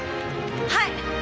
はい！